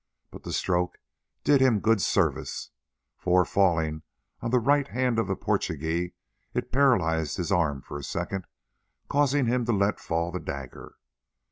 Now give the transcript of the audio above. But the stroke did him good service, for, falling on the right hand of the Portugee, it paralysed his arm for a second, causing him to let fall the dagger.